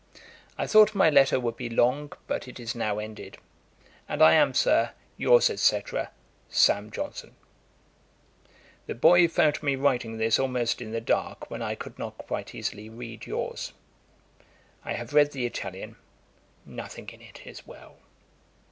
'I thought my letter would be long, but it is now ended; and I am, Sir, 'Yours, &c. SAM. JOHNSON.' 'The boy found me writing this almost in the dark, when I could not quite easily read yours. 'I have read the Italian nothing in it is well.